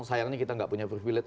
sayangnya kita nggak punya privilege